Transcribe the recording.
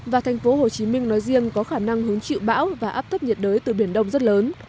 và thành phố hồ chí minh nói riêng có khả năng hứng chịu bão và áp thấp nhiệt đới từ biển đông rất lớn